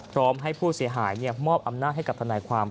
พร้อมให้ผู้เสียหายมอบอำนาจให้กับทนายความ